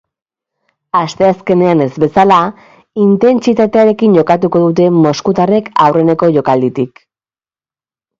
Asteazkenean ez bezala, intentsitatearekin jokatu dute moskutarrek aurreneko jokalditik.